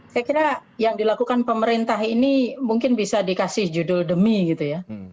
saya kira yang dilakukan pemerintah ini mungkin bisa dikasih judul demi gitu ya